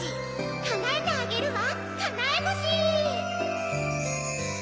かなえてあげるわかなえぼし。